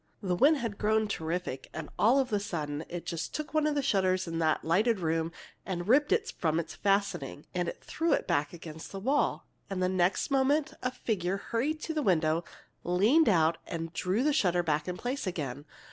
"The wind had grown terrific, and, all of a sudden, it just took one of the shutters of that lighted room, and ripped it from its fastening, and threw it back against the wall. And the next moment a figure hurried to the window, leaned out, and drew the shutter back in place again.